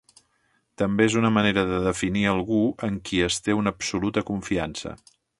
També és una manera de definir algú en qui es té una absoluta confiança.